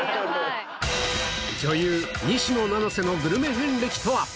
女優、西野七瀬のグルメ遍歴とは。